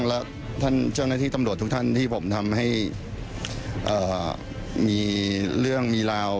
แล้วท่านเจ้าหน้าที่ตำรวจทุกท่านที่ผมทำให้มีเรื่องมีราว